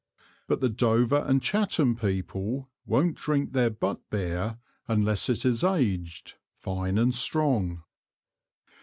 But the Dover and Chatham People won't drink their Butt Beer, unless it is Aged, fine and strong.